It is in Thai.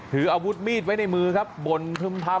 ถืออาวุธมีดไว้ในมือครับบนคุมธรรม